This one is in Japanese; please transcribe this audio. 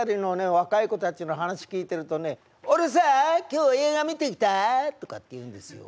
若い子たちの話聞いてるとね「俺さ今日映画見てきた？」とかって言うんですよ。